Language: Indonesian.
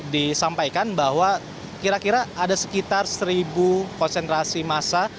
disampaikan bahwa kira kira ada sekitar seribu konsentrasi massa